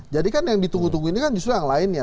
jadi kan yang ditunggu tungguinnya kan justru yang lainnya